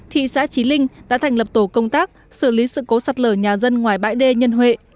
thị xã trí linh đã thành lập tổ công tác xử lý sự cố sạt lở nhà dân ngoài bãi đê nhân huệ